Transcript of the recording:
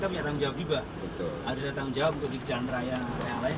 ada yang tanggung jawab untuk jalan raya yang lain